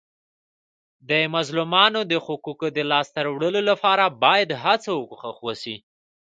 د مظلومانو د حقوقو د لاسته راوړلو لپاره باید هڅه او کوښښ وسي.